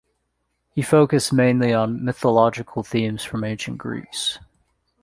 He focused mainly on mythological themes from ancient Greece.